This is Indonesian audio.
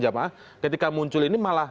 jamaah ketika muncul ini malah